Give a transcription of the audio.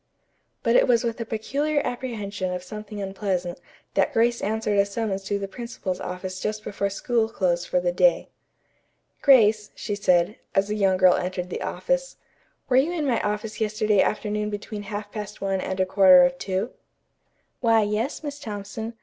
But it was with a peculiar apprehension of something unpleasant that Grace answered a summons to the principal's office just before school closed for the day. "Grace," she said, as the young girl entered the office, "were you in my office yesterday afternoon between half past one and a quarter of two?" "Why, yes, Miss Thompson.